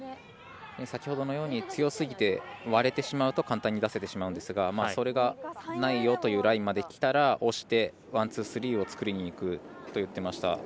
先ほどのように強すぎて割れてしまうと簡単に出せてしまうんですがそれがないよというラインまできたら押して、ワン、ツー、スリーを作りにいくと言ってました。